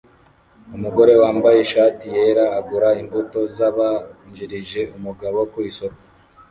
Umugore wambaye ishati yera agura imbuto zabanjirije umugabo ku isoko